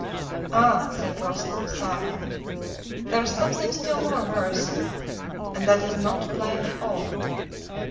"Ah!" said Groslow, sighing; "there is something still more wearisome, and that is not to play at all."